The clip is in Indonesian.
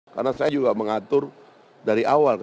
karena saya juga mengatur dari awal